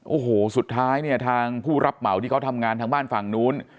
โอ้โหสุดท้ายเนี่ยทางผู้รับเหมาที่เขาทำงานทางบ้านฝั่งนู้น